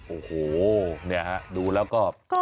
โอ้โหเนี่ยฮะดูแล้วก็